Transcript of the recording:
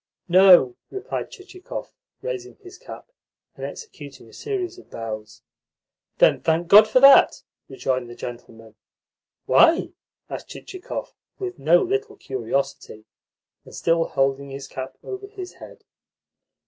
"No," replied Chichikov, raising his cap, and executing a series of bows. "Then thank God for that," rejoined the gentleman. "Why?" asked Chichikov with no little curiosity, and still holding his cap over his head.